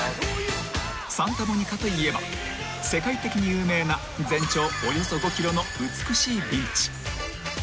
［サンタモニカといえば世界的に有名な全長およそ５ｋｍの美しいビーチ］